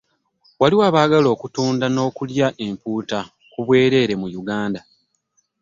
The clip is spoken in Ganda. Waliwo abaagala okutunda n'okulya empuuta ku bwereere mu Uganda.